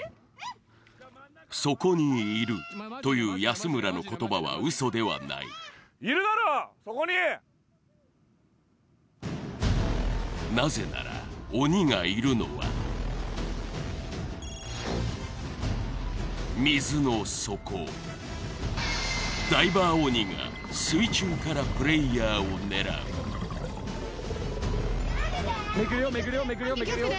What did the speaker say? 「そこにいる」という安村の言葉はウソではないなぜなら鬼がいるのは水の底が水中からプレイヤーを狙うめくるよ